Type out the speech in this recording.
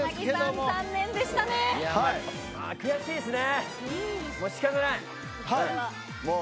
悔しいですね。